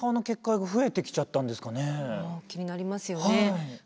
気になりますよね。